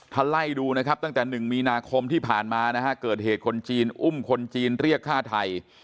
ถ้าไล่ดูนะครับตั้งแต่๑มีนาคมที่ผ่านมานะฮะเกิดเหตุคนจีนอุ้มคนจีนเรียกฆ่าไทย